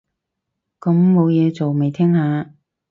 咁冇嘢做，咪聽下